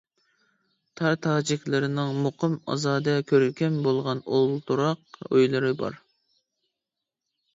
تار تاجىكلىرىنىڭ مۇقىم، ئازادە، كۆركەم بولغان ئولتۇراق ئۆيلىرى بار.